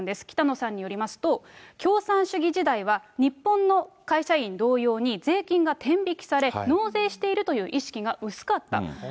北野さんによりますと、共産主義時代は、日本の会社員同様に税金が天引きされ、納税しているという意識が薄かった。